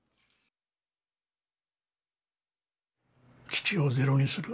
基地をゼロにする。